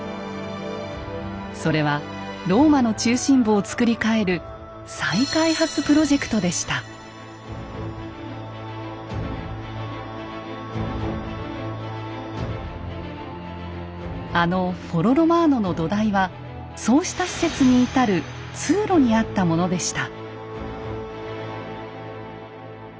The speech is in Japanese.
それはローマの中心部を造り替えるあのフォロ・ロマーノの土台はそうした施設に至る通路にあったものでした。